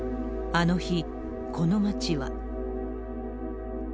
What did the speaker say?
あの日、この町は。